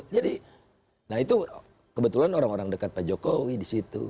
jadi nah itu kebetulan orang orang dekat pak jokowi di situ